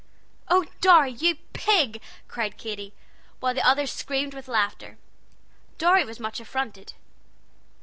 '" "Oh, Dorry, you pig!" cried Katy, while the others screamed with laughter. Dorry was much affronted.